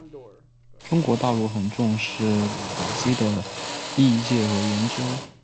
中国大陆很重视鲁达基的译介和研究。